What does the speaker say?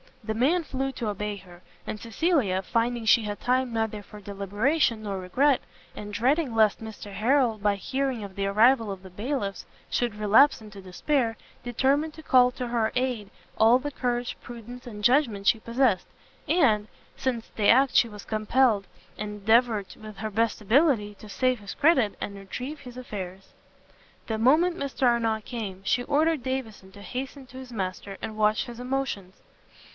The man flew to obey her; and Cecilia, finding she had time neither for deliberation nor regret, and dreading lest Mr Harrel, by hearing of the arrival of the bailiffs, should relapse into despair, determined to call to her aid all the courage, prudence, and judgment she possessed, and, since to act she was compelled, endeavour with her best ability, to save his credit, and retrieve his affairs. The moment Mr Arnott came, she ordered Davison to hasten to his master, and watch his motions.